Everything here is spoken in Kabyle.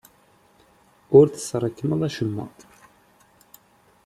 Ur tesrekmeḍ acemma.